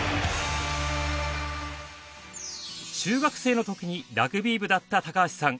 中学生の時にラグビー部だった高橋さん。